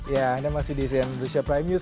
ya anda masih di cnn indonesia prime news